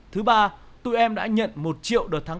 thứ ba tụi em đã nhận một triệu đợt tháng tám